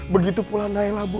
begitu pula nailah bu